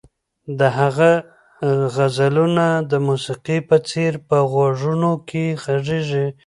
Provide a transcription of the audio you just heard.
د هغه غزلونه د موسیقۍ په څېر په غوږونو کې غږېږي.